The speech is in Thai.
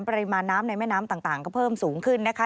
ปริมาณน้ำในแม่น้ำต่างก็เพิ่มสูงขึ้นนะคะ